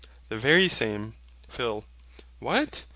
The very same. PHIL. What!